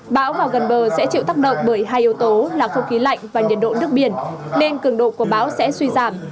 bão vào gần bờ sẽ chịu tác động bởi hai yếu tố là không khí lạnh và nhiệt độ nước biển nên cường độ của bão sẽ suy giảm